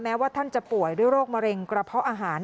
ว่าท่านจะป่วยด้วยโรคมะเร็งกระเพาะอาหาร